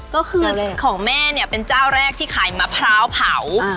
ก็คือของแม่เนี่ยเป็นเจ้าแรกที่ขายมะพร้าวเผา